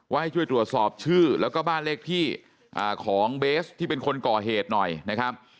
ให้ช่วยตรวจสอบชื่อแล้วก็บ้านเลขที่ของเบสที่เป็นคนก่อเหตุหน่อยนะครับ